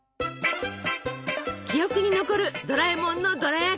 記憶に残るドラえもんのドラやき愛！